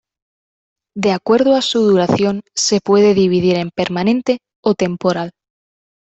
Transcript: De acuerdo a su duración se puede dividir en permanente o temporal.